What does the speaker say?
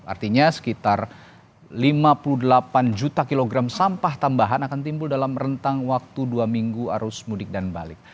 artinya sekitar lima puluh delapan juta kilogram sampah tambahan akan timbul dalam rentang waktu dua minggu arus mudik dan balik